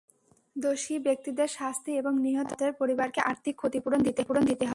দোষী ব্যক্তিদের শাস্তি এবং নিহত দুই ছাত্রের পরিবারকে আর্থিক ক্ষতিপূরণ দিতে হবে।